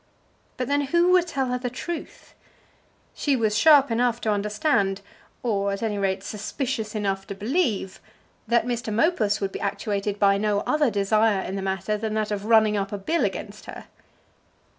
But then who would tell her the truth? She was sharp enough to understand, or at any rate suspicious enough to believe, that Mr. Mopus would be actuated by no other desire in the matter than that of running up a bill against her.